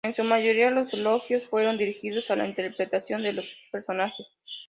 En su mayoría, los elogios fueron dirigidos a la interpretación de los personajes.